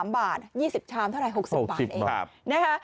๓บาท๒๐ชามเท่าไร๖๐บาทเองนะคะ